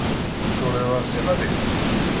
Turiḍ-as i xali-k?